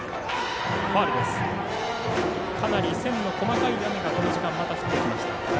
かなり線の細かい雨が、この時間また降ってきました。